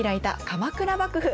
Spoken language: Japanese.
「鎌倉幕府」！